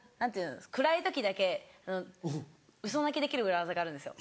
暗い時だけウソ泣きできる裏技があるんですよ。